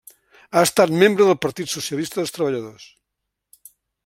Ha estat membre del Partit Socialista dels Treballadors.